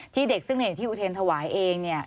ที่เด็กซึ่งเห็นที่อุทนธวายเองเนี่ย